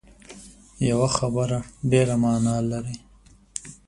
یوه خبره ډېره معنا لري